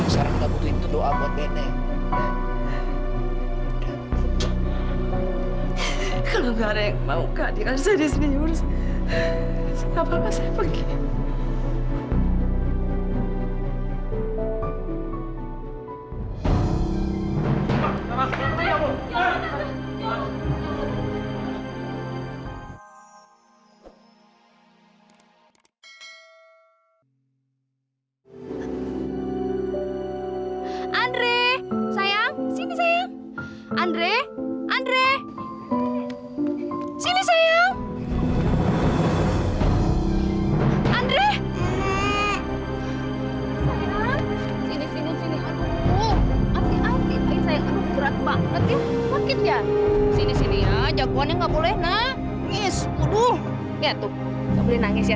sampai jumpa di video selanjutnya